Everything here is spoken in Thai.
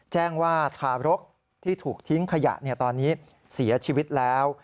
แจ้งว่าทารกที่ถูกทิ้งขยะตอนนี้เสียชีวิตแล้ว